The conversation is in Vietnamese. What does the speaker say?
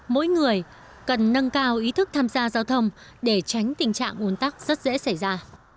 mỗi người cần nâng cao ý thức tham gia giao thông để tránh tình trạng uốn tắc rất dễ xảy ra